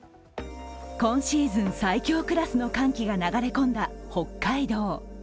今シーズン最強クラスの寒気が流れ込んだ北海道。